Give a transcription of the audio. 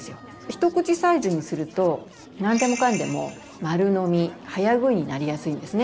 ひとくちサイズにすると何でもかんでも丸飲み早食いになりやすいんですね。